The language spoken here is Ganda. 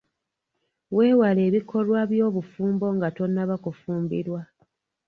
Weewale ebikolwa by'obufumbo nga tonnaba kufumbirwa.